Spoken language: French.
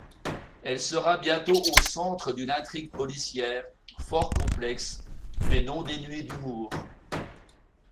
Elle sera bientôt au centre d'une intrigue policière fort complexe, mais non dénuée d'humour.